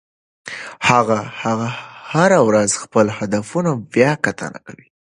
هغه هره ورځ خپل هدفونه بیاکتنه کوي.